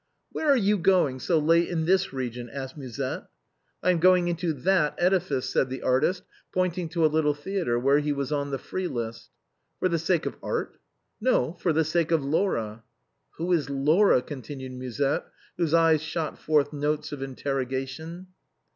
"Where are you going so late in this region?" asked Musette. "I am going into that edifice," said the artist, pointing to a little theatre where he was on the free list. "For the sake of art?" " No, for the sake of Laura." " Who is Laura ?" continued Musette, whose eyes shot forth notes of interrogation.